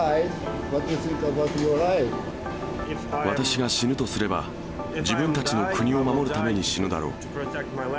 私が死ぬとすれば、自分たちの国を守るために死ぬだろう。